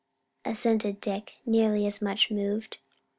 assented Dick, nearly as much moved.